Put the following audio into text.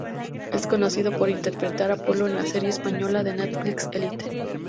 Es conocido por interpretar a Polo en la serie española de Netflix "Élite".